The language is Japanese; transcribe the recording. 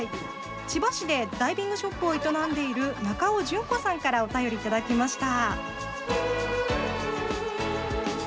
千葉市でダイビングショップを営んでいる中尾淳子さんからお便りをいただきました。